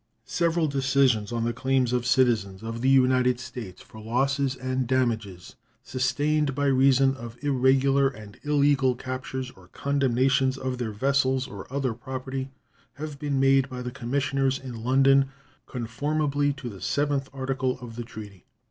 Several decisions on the claims of citizens of the United States for losses and damages sustained by reason of irregular and illegal captures or condemnations of their vessels or other property have been made by the commissioners in London conformably to the 7th article of the treaty.